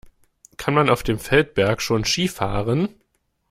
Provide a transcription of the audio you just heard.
Kann man auf dem Feldberg schon Ski fahren?